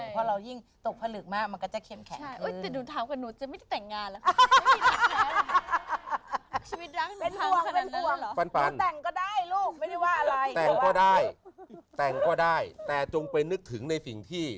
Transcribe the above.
ไปสถานที่นั้นที่เกิดไปก็นึกถึง